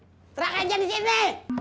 hei serahkan aja di sini